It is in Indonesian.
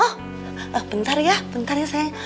hah bentar ya bentar ya sayang